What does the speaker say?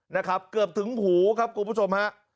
นะครับเกือบถึงหูครับคุณผู้ชมฮะ